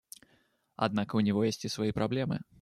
Однако у него есть и свои проблемы.